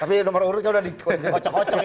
tapi nomor urut kan udah dikocok kocok ini